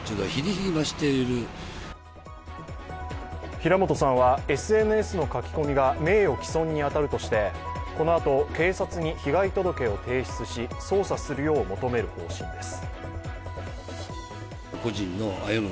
平本さんはＳＮＳの書き込みが名誉毀損に当たるとして、このあと警察に被害届を提出し、捜査するよう求める方針です。